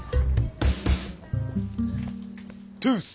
トゥース！